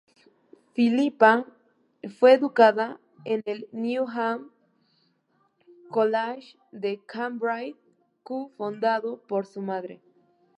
Philippa fue educada en el Newnham College de Cambridge co-fundado por su madre.